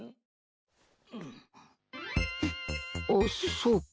あっそうか。